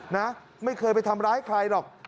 นะไม่เคยไปทำร้ายใครหรอก